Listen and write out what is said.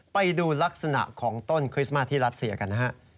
ไปดูลักษณะของต้นคริสต์มาสที่รัสเซียกันนะฮะ